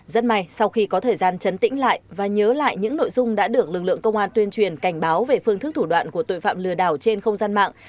rất may sau khi có thời gian chấn tĩnh lại và nhớ lại những nội dung đã được lực lượng công an tuyên truyền cảnh báo về phương thức thủ đoạn của tội phạm lừa đảo trên không gian mạng